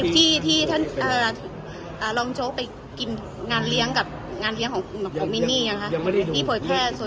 ความรู้เรื่องต้นนี้เกี่ยวข้องกับศรวษฎัว